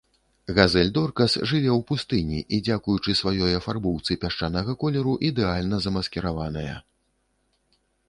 Газель-доркас жыве ў пустыні і, дзякуючы сваёй афарбоўцы пясчанага колеру, ідэальна замаскіраваная.